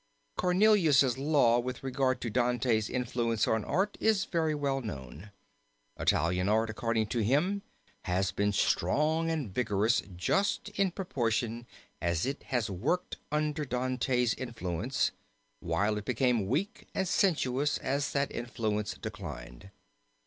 Cornelius' law with regard to Dante's influence on art is very well known, Italian art according to him, has been strong and vigorous just in proportion as it has worked under Dante's influence, while it became weak and sensuous as that influence declined.